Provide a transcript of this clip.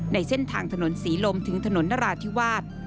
ในเส้นทางถนนศรีลมถึงถนนนราธิวาส